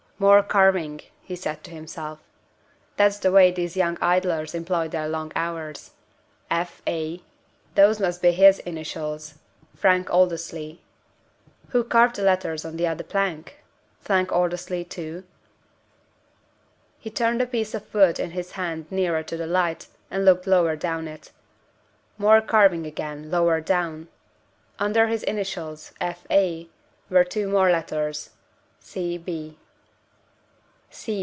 "More carving," he said to himself. "That's the way these young idlers employ their long hours. F. A.? Those must be his initials Frank Aldersley. Who carved the letters on the other plank? Frank Aldersley, too?" He turned the piece of wood in his hand nearer to the light, and looked lower down it. More carving again, lower down! Under the initials F. A. were two more letters C. B. "C.